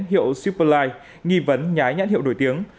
hiệu superlight nghi vấn nhái nhãn hiệu nổi tiếng